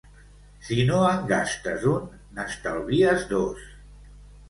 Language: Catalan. Si no en gastes un, n'estalvies dos.